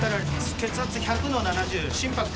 血圧１００の７０心拍１１０